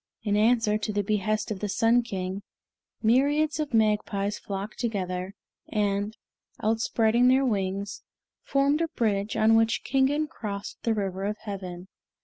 In answer to the behest of the Sun King, myriads of magpies flocked together, and, outspreading their wings, formed a bridge on which Kingen crossed the River of Heaven.